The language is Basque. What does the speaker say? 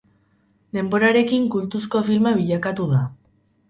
Denborarekin kultuzko filma bilakatu da.